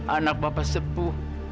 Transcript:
anak bapak sepuh